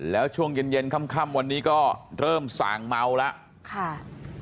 แล้วช่วงเย็นคำวันนี้ก็เริ่มส่างเมาล่ะ